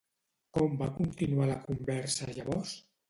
Com va continuar la conversa llavors?